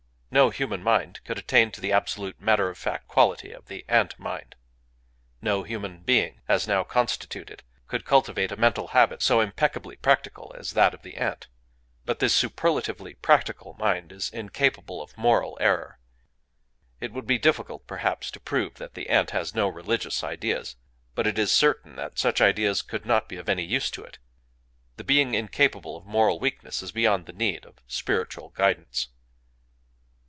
No human mind could attain to the absolute matter of fact quality of the ant mind;—no human being, as now constituted, could cultivate a mental habit so impeccably practical as that of the ant. But this superlatively practical mind is incapable of moral error. It would be difficult, perhaps, to prove that the ant has no religious ideas. But it is certain that such ideas could not be of any use to it. The being incapable of moral weakness is beyond the need of "spiritual guidance."